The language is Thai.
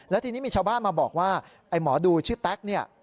แล้วทีนี้มีชาวบ้านมาบอกว่าไอ้หมอดูชื่อแต๊กเนี่ย